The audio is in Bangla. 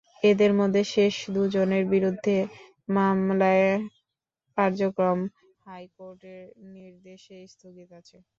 এঁদের মধ্যে শেষ দুজনের বিরুদ্ধে মামলার কার্যক্রম হাইকোর্টের নির্দেশে স্থগিত আছে।